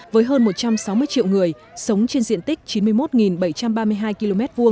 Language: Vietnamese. với hơn một trăm sáu mươi triệu người sống trên diện tích chín mươi một bảy trăm ba mươi hai km hai